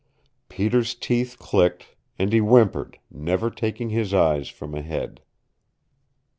Peter's teeth clicked, and he whimpered, never taking his eyes from ahead.